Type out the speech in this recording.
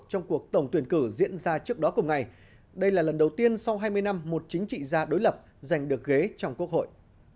trong cuộc tổng tuyển cử diễn ra trước đó cùng ngày đây là lần đầu tiên sau hai mươi năm một chính trị gia đối lập giành được ghế trong quốc hội